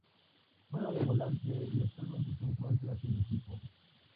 Juega de volante y actualmente se encuentra sin equipo.